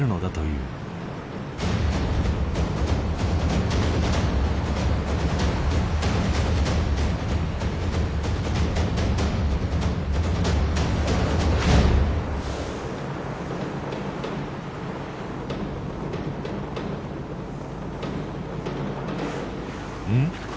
うん？